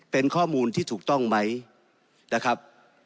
เป็นข้อมูลที่ถูกต้องไหมนะครับ